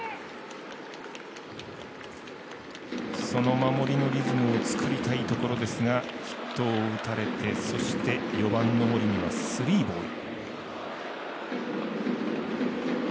守りのリズムを作りたいところですがヒットを打たれてそして４番の森がスリーボール。